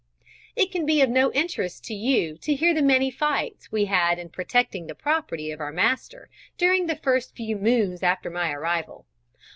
It can be of no interest to you to hear the many fights we had in protecting the property of our master during the first few moons after my arrival.